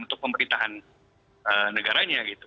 untuk pemerintahan negaranya gitu